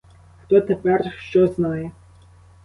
Хто тепер що знає?